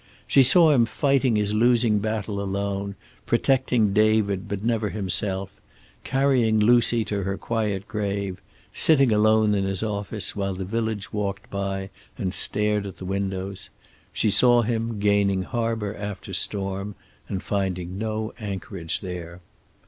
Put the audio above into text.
She saw him fighting his losing battle alone, protecting David but never himself; carrying Lucy to her quiet grave; sitting alone in his office, while the village walked by and stared at the windows; she saw him, gaining harbor after storm, and finding no anchorage there.